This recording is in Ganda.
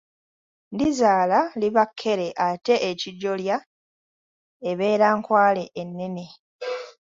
Ndizaala liba kkere ate ekijolya ebeera Nkwale ennene.